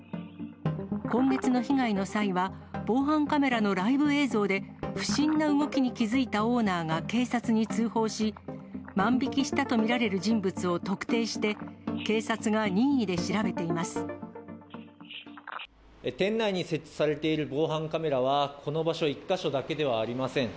今月の被害の際は、防犯カメラのライブ映像で、不審な動きに気付いたオーナーが警察に通報し、万引きしたと見られる人物を特定して、店内に設置されている防犯カメラは、この場所１か所だけではありません。